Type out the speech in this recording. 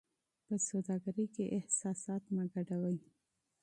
په سوداګرۍ کې احساسات مه ګډوئ.